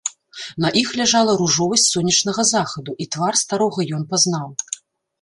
На іх ляжала ружовасць сонечнага захаду, і твар старога ён пазнаў.